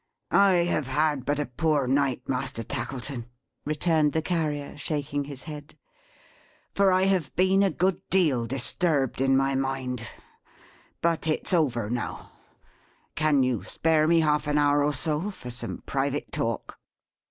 "I have had but a poor night, Master Tackleton," returned the Carrier shaking his head: "for I have been a good deal disturbed in my mind. But it's over now! Can you spare me half an hour or so, for some private talk?"